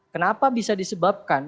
kenapa bisa disebabkan